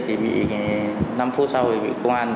thì năm phút sau thì công an